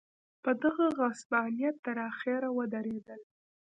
په دغه غصبانیت تر اخره ودرېدل.